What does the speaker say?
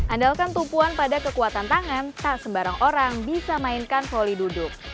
andalkan tumpuan pada kekuatan tangan tak sembarang orang bisa mainkan volley duduk